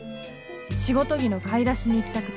仕事着の買い出しに行きたくて。